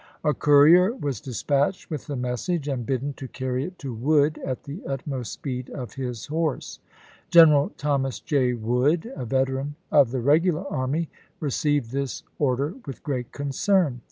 A courier was dispatched with the message and Part P CHICKAMAUGA 95 bidden to carry it to Wood, at the utmost speed of chap. iv. his horse. General Thomas J. Wood, a veteran of the regular sept.20, army, received this order with gi'eat concern.